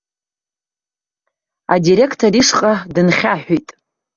Адиреқтор ишҟа дынхьаҳәит.